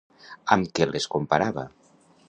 Amb què les comparava?